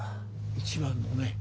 一番のね